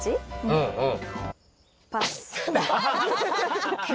うんうん。